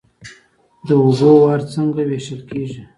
د اوبو وار څنګه ویشل کیږي؟